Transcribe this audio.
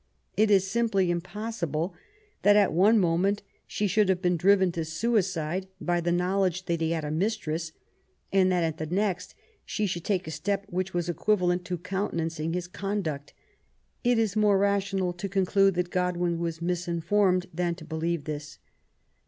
It is simply impossible that at one moment she should have been driven to suicide by IMLAT8 BE8EETI0N. 149 the knowledge that he had a mistress^ and that at the next she should take a step which was equivalent to countenancing his conduct. It is more rational to conclude that Godwin was misinformed^ than to believe this.